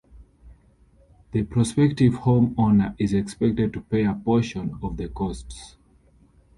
The prospective home owner is expected to pay a portion of the costs.